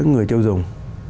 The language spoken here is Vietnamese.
người tiêu dùng